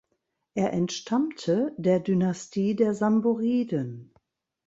Er entstammte der Dynastie der Samboriden.